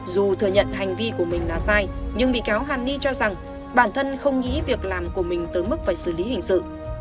dù thừa nhận hành vi của mình là sai nhưng bị cáo hàn ni cho rằng bản thân không nghĩ việc làm của mình tới mức phải xử lý hình sự